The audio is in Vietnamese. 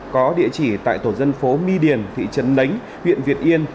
có địa chỉ tại tổ dân phố my điền thị trấn lánh huyện việt yên